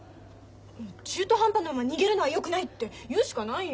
中途半端のまま逃げるのはよくないって言うしかないよ。